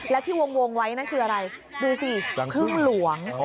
แล้วที่วงไว้นั่นคืออะไรดูสิพึ่งหลวง